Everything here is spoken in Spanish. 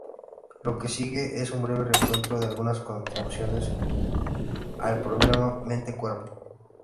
Lo que sigue es un breve recuento de algunas contribuciones al problema mente-cuerpo.